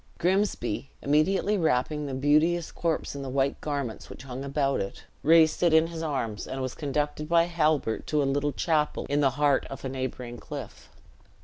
Grimsby, immediately wrapping the beauteous corpse in the white garments which hung about it, raised it in his arms, and was conducted by Halbert to a little chapel in the heart of a neighboring cliff.